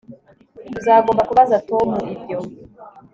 Uzagomba kubaza Tom ibyo